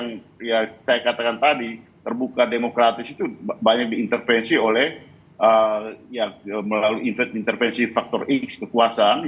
yang saya katakan tadi terbuka demokratis itu banyak diintervensi oleh melalui intervensi faktor x kekuasaan